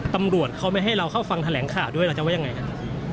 ตำรวจเขาไม่ให้เราเข้าฟังแถลงข่าวด้วยเราจะว่ายังไงกัน